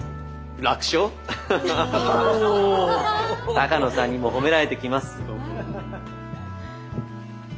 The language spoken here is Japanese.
鷹野さんにも褒められてきます。